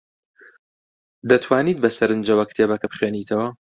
دەتوانیت بەسەرنجەوە کتێبەکە بخوێنیتەوە؟